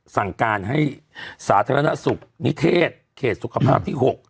สั่งการให้สาธารณสุขนิเทศเขตสุขภาพที่๖